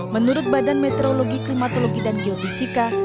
menurut badan meteorologi klimatologi dan geofisika